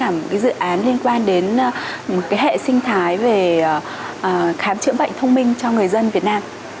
một cái dự án liên quan đến hệ sinh thái về khám chữa bệnh thông minh cho người dân việt nam